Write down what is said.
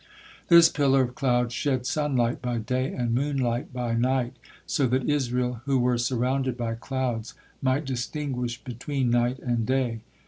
This pillar of cloud shed sunlight by day and moonlight by night, so that Israel, who were surrounded by clouds, might distinguish between night and day.